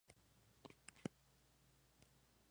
El lugar arqueológico ha sido restaurado y abierto al público.